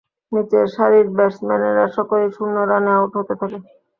নিচের সারির ব্যাটসম্যানেরা সকলেই শূন্য রানে আউট হতে থাকে।